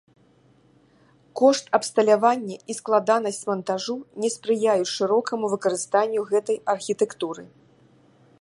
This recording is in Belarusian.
Кошт абсталявання і складанасць мантажу не спрыяюць шырокаму выкарыстанню гэтай архітэктуры.